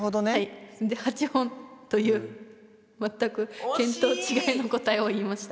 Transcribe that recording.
８本という全く見当違いの答えを言いました。